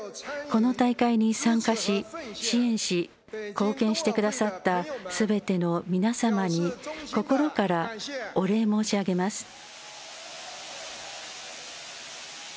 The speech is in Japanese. この大会に参加し支援し貢献してくださったすべての皆様に心からお礼申し上げます。